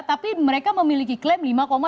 tapi mereka memiliki klaim lima dua puluh delapan